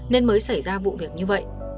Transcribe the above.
nên mới xảy ra vụ việc như vậy